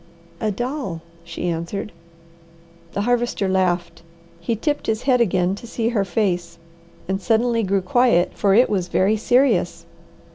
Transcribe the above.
"A doll," she answered. The Harvester laughed. He tipped his head again to see her face and suddenly grew quiet, for it was very serious.